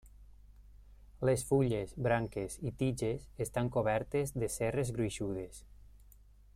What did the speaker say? Les fulles, branques i tiges estan cobertes de cerres gruixudes.